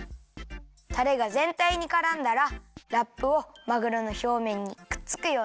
たれがぜんたいにからんだらラップをまぐろのひょうめんにくっつくようにかけるよ。